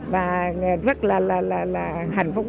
và rất là hạnh phúc